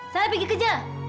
saya pergi kerja